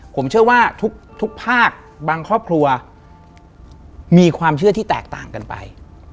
ผมเชื่อว่าทุกภาคบางครอบครัวมีความเชื่อที่แตกต่างกันไป